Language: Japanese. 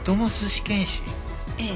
ええ。